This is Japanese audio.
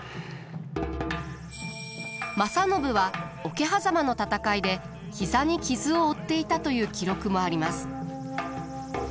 正信は桶狭間の戦いで膝に傷を負っていたという記録もあります。